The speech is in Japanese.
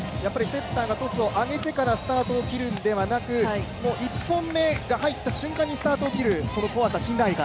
セッターがトスを上げてからスタートを切るのではなく１本目が入った瞬間にスタートを切るその怖さ、信頼感。